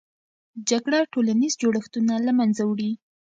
جګړه ټولنیز جوړښتونه له منځه وړي.